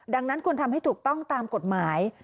ดังนั้นควรทำให้ถูกต้องตามกฎหมาย